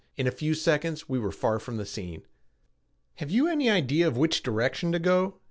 In a few seconds we were far from the scene. "Have you any idea of which direction to go?"